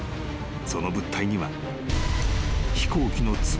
その物体には］